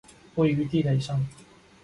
位于地垒上。